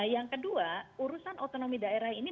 yang kedua urusan otonomi daerah ini